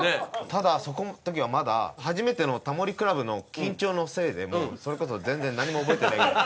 ただそこの時はまだ初めての『タモリ倶楽部』の緊張のせいでもうそれこそ全然何も覚えてない。